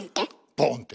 ボーンって。